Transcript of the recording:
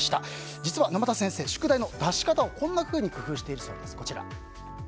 実は沼田先生は宿題の出し方をこんなふうに工夫しているそうです。